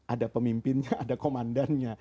ada pemimpinnya ada komandannya